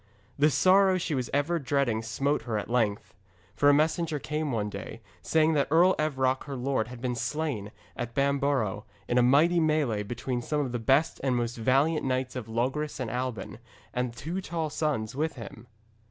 The sorrow she was ever dreading smote her at length. For a messenger came one day, saying that Earl Evroc her lord had been slain at Bamborough, in a mighty melée between some of the best and most valiant knights of Logres and Alban, and two tall sons with him.